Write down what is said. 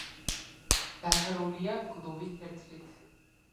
დაფარულია გლუვი ქერცლით.